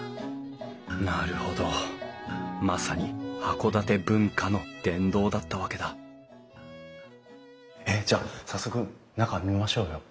なるほどまさに函館文化の殿堂だったわけだじゃあ早速中見ましょうよ！